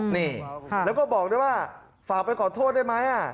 นี่แล้วก็บอกด้วยว่าฝากไปขอโทษได้ไหม